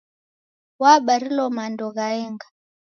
Wabarilo mando ghaenga.